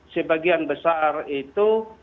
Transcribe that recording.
sebagian besar itu